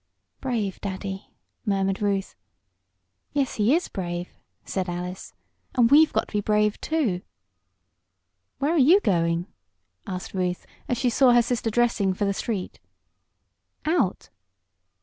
"Brave daddy!" murmured Ruth. "Yes, he is brave," said Alice "and we've got to be brave, too." "Where are you going?" asked Ruth, as she saw her sister dressing for the street. "Out."